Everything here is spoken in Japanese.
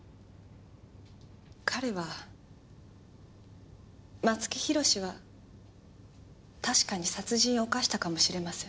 彼は松木弘は確かに殺人を犯したかもしれません。